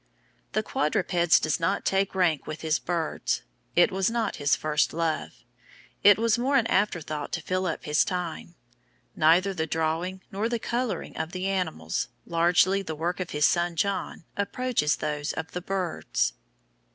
The "Quadrupeds" does not take rank with his "Birds." It was not his first love. It was more an after thought to fill up his time. Neither the drawing nor the colouring of the animals, largely the work of his son John, approaches those of the birds.